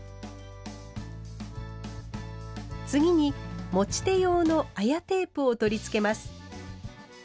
次に持ち手用の綾テープを取り付けます。